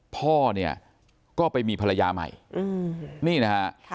พ่อเนี่ยก็ไปมีภรรยาใหม่นี่นะฮะ